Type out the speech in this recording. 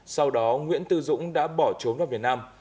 sau đó nguyễn tư dũng đã bỏ trốn vào việt nam